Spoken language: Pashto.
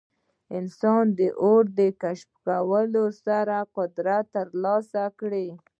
انسان د اور په کشفولو سره قدرت ترلاسه کړ.